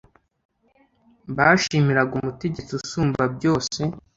bashimiraga umutegetsi usumba byose